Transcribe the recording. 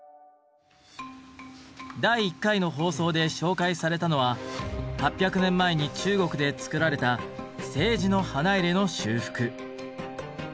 第１回の放送で紹介されたのは８００年前に中国で作られた青磁の花入の修復。